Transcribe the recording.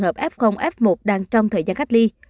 trường hợp f f một đang trong thời gian cách ly